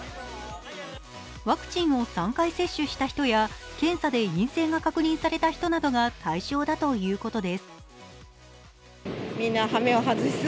ワクチンを３回接種した人や、検査で陰性が確認された人などが対象だということです。